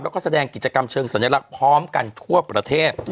แล้วก็แสดงกิจกรรมเชิงสัญลักษณ์พร้อมกันทั่วประเทศ